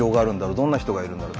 どんな人がいるんだろう。